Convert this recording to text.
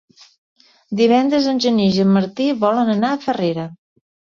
Divendres en Genís i en Martí volen anar a Farrera.